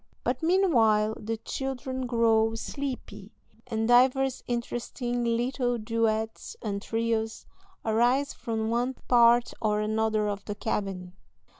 But meanwhile the children grow sleepy, and divers interesting little duets and trios arise from one part or another of the cabin.